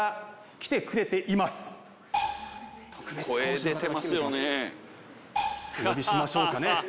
お呼びしましょうかね。